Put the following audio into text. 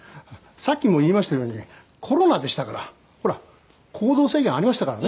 さっきも言いましたようにコロナでしたからほら行動制限ありましたからね